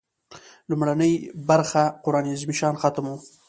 لومړۍ برخه قران عظیم الشان ختم و.